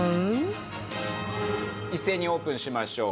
一斉にオープンしましょう。